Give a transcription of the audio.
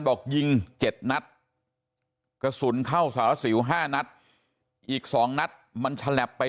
บอกยิง๗นัดกระสุนเข้าสารสิว๕นัดอีก๒นัดมันฉลับไป